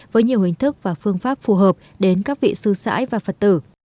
với nhiều hình thức và phương pháp phù hợp đến các vị sư sãi và phật tử